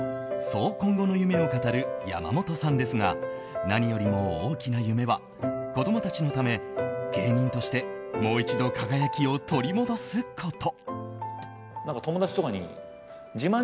そう今後の夢を語るやまもとさんですが何よりも大きな夢は子供たちのため芸人としてもう一度、輝きを取り戻すこと。